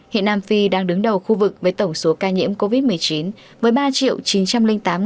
hiện nam phi đang đứng đầu khu vực với tổng số ca nhiễm covid một mươi chín với ba chín trăm linh tám hai mươi ca